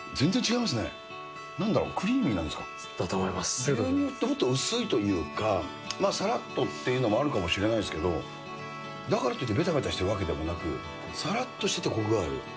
牛乳ってもっと薄いというか、さらっとっていうのもあるかもしれないけど、だからといってべたべたしてるわけでもなく、さらっとしててこくがある。